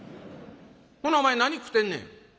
ほなお前食うてんねん？」。